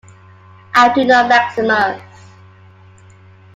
I do not, Maximus.